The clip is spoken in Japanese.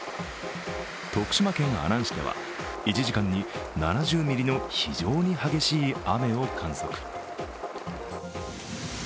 徳島県阿南市では１時間に７０ミリの非常に激しい雨を観測。